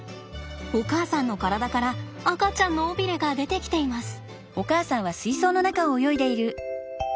お母さんの体から赤ちゃんの尾ビレが出てきています。